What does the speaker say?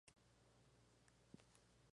Susana, Octavio y su hijo deciden huir.